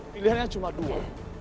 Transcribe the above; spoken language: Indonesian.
pilihannya cuma dua